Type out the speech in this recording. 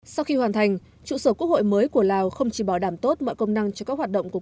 sau khi hoàn thành trụ sở quốc hội mới của lào không chỉ bảo đảm tốt mọi công năng cho các hoạt động của